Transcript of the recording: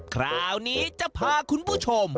คราวนี้จะพาคุณผู้ชม